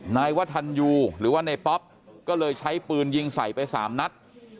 นายวัฒนยูหรือว่าในป๊อปก็เลยใช้ปืนยิงใส่ไปสามนัด